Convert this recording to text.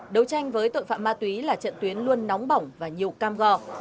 đấu tranh với tội phạm ma túy là trận tuyến luôn nóng bỏng và nhiều cam go